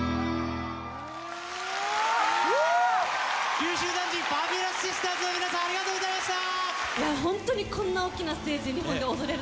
九州男児ＦａｂｕｌｏｕｓＳｉｓｔｅｒｓの皆さんありがとうございました！